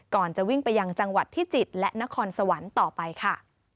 จะวิ่งไปยังจังหวัดพิจิตรและนครสวรรค์ต่อไปค่ะ